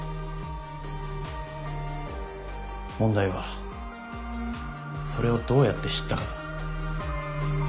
問題はそれをどうやって知ったかだ。